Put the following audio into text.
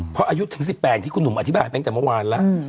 เพราะอายุถึง๑๘ที่คุณหนุ่มอธิบายไปตั้งแต่เมื่อวานแล้ว